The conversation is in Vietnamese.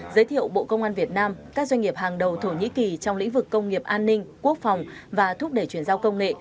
giới thiệu bộ công an việt nam các doanh nghiệp hàng đầu thổ nhĩ kỳ trong lĩnh vực công nghiệp an ninh quốc phòng và thúc đẩy chuyển giao công nghệ